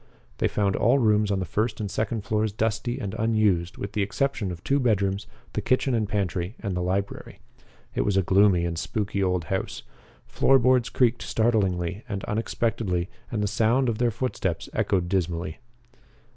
They found all rooms on the first and second floors dusty and unused with the exception of two bedrooms, the kitchen and pantry, and the library. It was a gloomy and spooky old house. Floor boards creaked startlingly and unexpectedly and the sound of their footsteps echoed dismally.